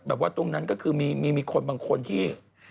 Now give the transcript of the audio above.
ตรงนั้นก็คือมีคนบางคนที่